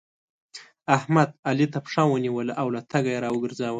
احمد؛ علي ته پښه ونيوله او له تګه يې راوګرځاوو.